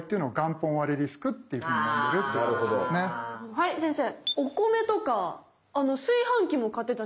はい先生。